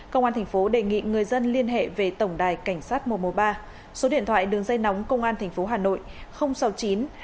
công an tp hà nội đề nghị người dân liên hệ về tổng đài cảnh sát một trăm một mươi ba số điện thoại đường dây nóng công an tp hà nội sáu mươi chín hai nghìn một trăm chín mươi sáu bảy trăm bảy mươi bảy